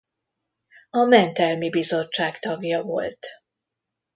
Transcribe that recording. A mentelmi bizottság tagja volt.